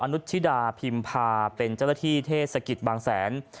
นุชิดาพิมพาเป็นเจ้าหน้าที่เทศกิจบางแสน